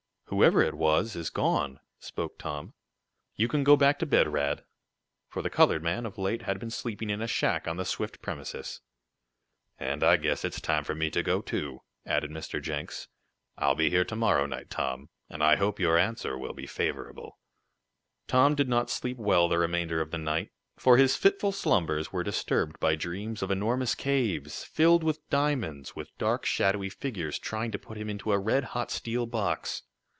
"Whoever it was, is gone," spoke Tom. "You can go back to bed, Rad," for the colored man, of late, had been sleeping in a shack on the Swift premises. "And I guess it's time for me to go, too," added Mr. Jenks. "I'll be here to morrow night, Tom, and I hope your answer will be favorable." Tom did not sleep well the remainder of the night, for his fitful slumbers were disturbed by dreams of enormous caves, filled with diamonds, with dark, shadowy figures trying to put him into a red hot steel box.